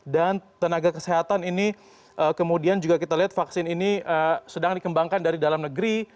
dan tenaga kesehatan ini kemudian juga kita lihat vaksin ini sedang dikembangkan dari dalam negeri